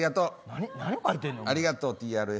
何を書いてるの。